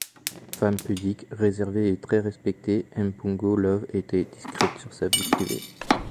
Femme pudique, réservée et très respectée M'Pongo Love était discrète sur sa vie privée.